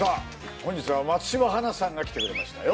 本日は松島花さんが来てくれましたよ